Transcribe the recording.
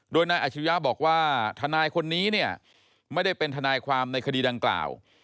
โดยนายอาชิริยะบอกว่าทนายคนนี้เนี่ยไม่ได้เป็นทนายความในคดีดังกล่าว